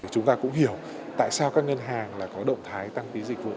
chúng ta cũng hiểu tại sao các ngân hàng có động thái tăng phí dịch vụ